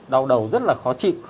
đau đầu rất là khó chịu